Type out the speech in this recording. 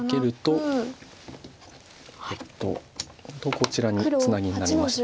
こちらにツナギになりまして。